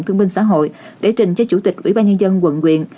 thương binh xã hội để trình cho chủ tịch ủy ban nhân dân quận quyện